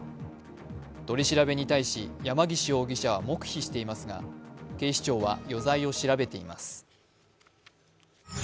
取り調べに対し山岸容疑者は黙秘していますが警視庁は余罪を調べています。